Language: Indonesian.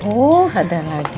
oh ada lagi